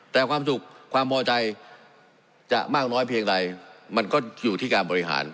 แต่ความสุขความพอใจจะมากน้อยเพียงใดมันก็อยู่ที่การบริหาร